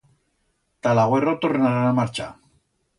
Ta l'agüerro tornarán a marchar.